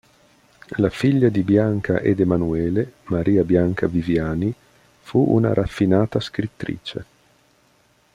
La figlia di Bianca ed Emanuele, Maria Bianca Viviani, fu una raffinata scrittrice.